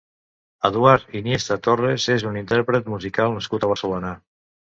Eduard Iniesta Torres és un intérpret musical nascut a Barcelona.